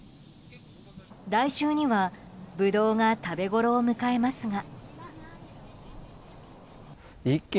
来週にはブドウが食べごろを迎えますが。